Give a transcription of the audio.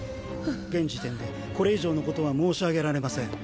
現時点でこれ以上のことは申し上げられません。